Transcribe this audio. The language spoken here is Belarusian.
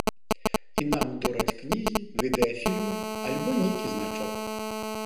І нам дораць кнігі, відэафільмы альбо нейкі значок.